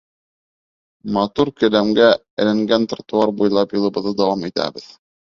Матур келәмгә әйләнгән тротуар буйлап юлыбыҙҙы дауам итәбеҙ.